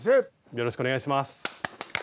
よろしくお願いします。